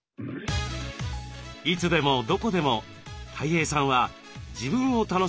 いつでもどこでもたい平さんは自分を楽しむ天才。